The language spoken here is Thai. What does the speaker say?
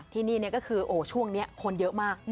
ที่นี่ก็คือช่วงนี้คนเยอะมาก